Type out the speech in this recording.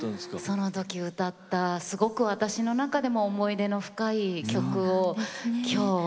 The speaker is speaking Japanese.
その時歌ったすごく私の中でも思い出の深い曲を今日